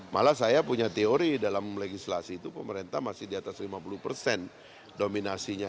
malah saya punya teori dalam legislasi itu pemerintah masih di atas lima puluh persen dominasinya